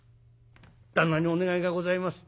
「旦那にお願いがございます」。